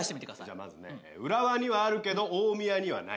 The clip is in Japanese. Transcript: じゃまずね浦和にはあるけど大宮にはない。